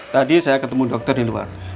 tadi saya ketemu dokter di luar